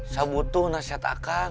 saya butuh nasihat akang